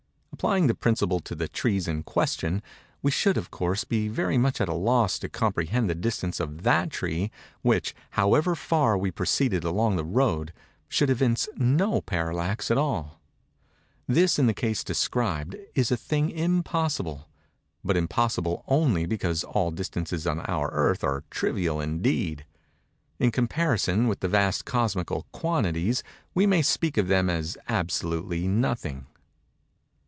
Applying the principle to the trees in question, we should, of course, be very much at a loss to comprehend the distance of that tree, which, however far we proceeded along the road, should evince no parallax at all. This, in the case described, is a thing impossible; but impossible only because all distances on our Earth are trivial indeed:—in comparison with the vast cosmical quantities, we may speak of them as absolutely nothing.